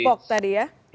depok tadi ya